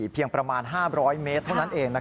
เพียงประมาณ๕๐๐เมตรเท่านั้นเอง